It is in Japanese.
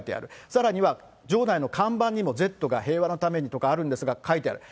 さらには場内の看板にもＺが平和のためにとかあるんですが、書いてある。